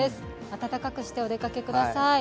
温かくしてお出かけください。